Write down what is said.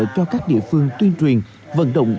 cho các địa phương tuyên truyền vận động